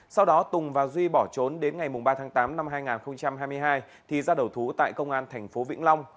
sau đó tùng và duy bỏ trốn đến ngày ba tháng tám năm hai nghìn hai mươi hai thì ra đầu thú tại công an tp vĩnh long